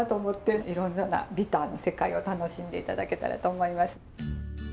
いろいろなビターな世界を楽しんで頂けたらと思います。